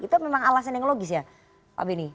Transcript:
itu memang alasan yang logis ya pak beni